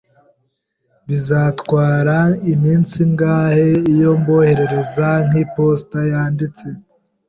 Bizatwara iminsi ingahe iyo mboherereje nk'iposita yanditse?